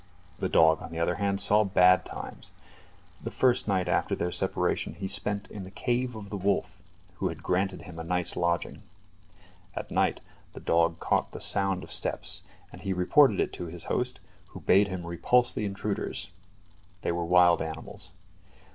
The dog, on the other hand, saw bad times. The first night after their separation he spent in the cave of the wolf, who had granted him a night's lodging. At night the dog caught the sound of steps, and he reported it to his host, who bade him repulse the intruders. They were wild animals.